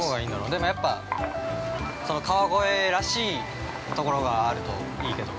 でもやっぱ、川越らしいところがあるといいけど。